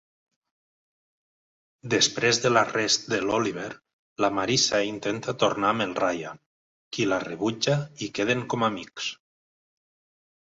Després de l'arrest de l'Oliver, la Marissa intenta tornat amb el Ryan, qui la rebutja i queden com amics.